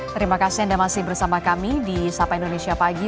terima kasih anda masih bersama kami di sapa indonesia pagi